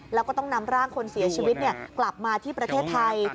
แล้วก็ต้องนำร่างคนเสียชีวิตกลับมาที่ประเทศไทย